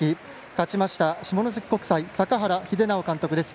勝ちました、下関国際坂原秀尚監督です。